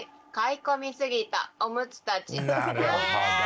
なるほど。